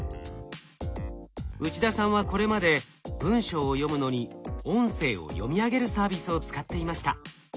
内田さんはこれまで文書を読むのに音声を読み上げるサービスを使っていました。